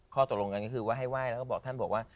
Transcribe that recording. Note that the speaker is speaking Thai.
ข้อตกลงกันก็คือว่าให้ไหว้แล้วก็บอกท่านบอกว่า